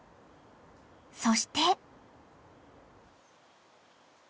［そして］